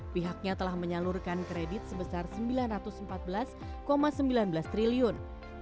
pihaknya telah menyalurkan kredit sebesar rp sembilan ratus empat belas sembilan belas triliun